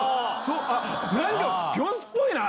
何かピョンスっぽいな。